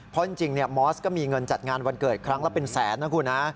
เพราะจริงมอสก็มีเงินจัดงานวันเกิดครั้งละเป็นแสนนะคุณฮะ